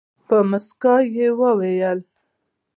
په موسکا یې وویل.